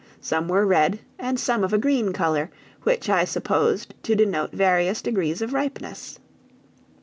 Some were red, and some of a green color, which I supposed to denote various degrees of ripeness.